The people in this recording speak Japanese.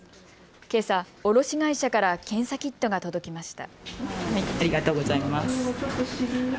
けさ、卸会社から検査キットが届きました。